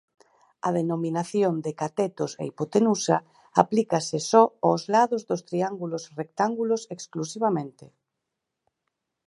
A denominación de catetos e hipotenusa aplícase só aos lados dos triángulos rectángulos exclusivamente.